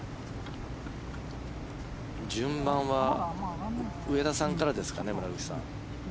順番は上田さんからですかね村口さん。